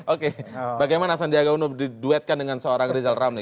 oke bagaimana sandiaga uno diduetkan dengan seorang rizal ramli